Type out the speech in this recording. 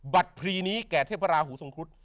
พลีนี้แก่เทพราหูทรงครุฑ